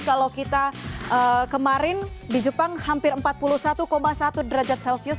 kalau kita kemarin di jepang hampir empat puluh satu satu derajat celcius